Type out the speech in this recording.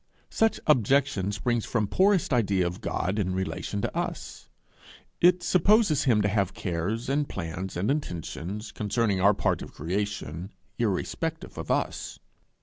Such objection springs from poorest idea of God in relation to us. It supposes him to have cares and plans and intentions concerning our part of creation, irrespective of us.